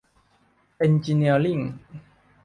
เอนจิเนียริ่ง